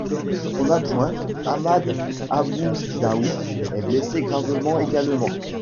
Son adjoint, Ahmad Abou Daoud, est blessé gravement également.